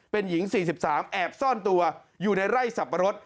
เป็นหญิงสี่สิบสามแอบซ่อนตัวอยู่ในไร่ซับปะรด